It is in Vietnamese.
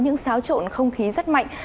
những xáo trộn không khí rất mạnh